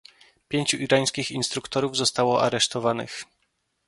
Pięciu irańskich instruktorów zostało aresztowanych